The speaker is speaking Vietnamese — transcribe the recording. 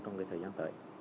trong cái thời gian tới